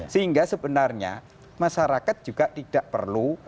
sehingga sebenarnya masyarakat juga tidak perlu